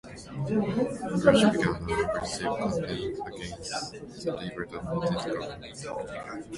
Brash began an aggressive campaign against the Labour-dominated government.